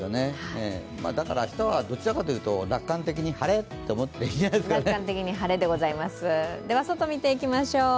だから、明日はどちらかというと楽観的に晴れと思っていていいんじゃないでしょうかね。